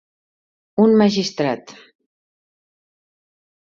Un magistrat.